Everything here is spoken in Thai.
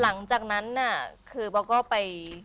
หลังจากนั้นน่ะคือป๊อกก็ไป